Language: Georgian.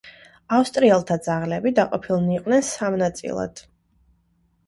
ავსტრიელთა ძალები დაყოფილნი იყვნენ სამ ნაწილად.